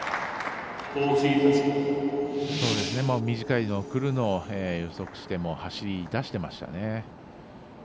短いのをくるのを予測して走り出してましたね。